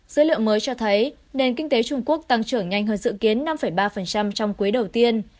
dữ liệu mới cho thấy nền kinh tế trung quốc tăng trưởng nhanh hơn dự kiến năm ba trong quý đầu tiên